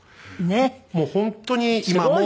もう本当に今も。